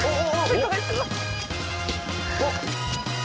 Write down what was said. おっ。